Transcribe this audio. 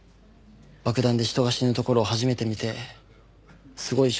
爆弾で人が死ぬところを初めて見てすごいショックで。